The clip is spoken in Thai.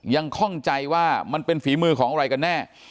ข้องใจว่ามันเป็นฝีมือของอะไรกันแน่